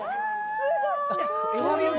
すごい！